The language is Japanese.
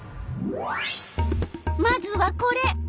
まずはこれ！